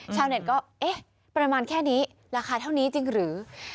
ชาวเน็ตก็เอ๊ะประมาณแค่นี้ราคาเท่านี้จริงหรือ